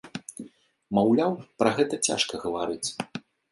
Маўляў, пра гэта цяжка гаварыць.